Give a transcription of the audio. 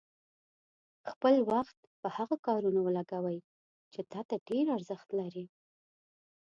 خپل وخت په هغه کارونو ولګوئ چې تا ته ډېر ارزښت لري.